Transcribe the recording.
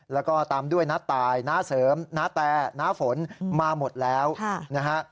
แล้วก็ตามด้วยน้าตายน้าเสริมณแต่น้าฝนมาหมดแล้วนะฮะ